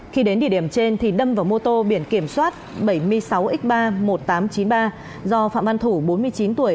khi đến địa điểm trên thì đâm vào mô tô biển kiểm soát bảy mươi sáu x ba mươi một nghìn tám trăm chín mươi ba do phạm văn thủ bốn mươi chín tuổi